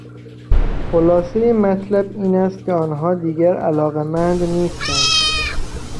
خلاصهی مطلب این است که آنها دیگر علاقهمند نیستند.